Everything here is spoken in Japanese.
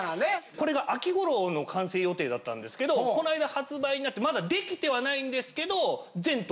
これが秋頃の完成予定だったんですけどこないだ発売になってまだ出来てはないんですけど。